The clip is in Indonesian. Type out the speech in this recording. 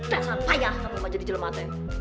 rasanya banyak sama ma jadi jelemate